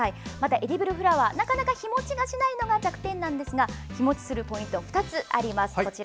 エディブルフラワー日持ちがなかなかしないのが弱点なんですが、日持ちするポイント２つあります。